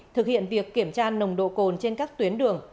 thực hiện việc kiểm tra nồng độ cồn trên các tuyến đường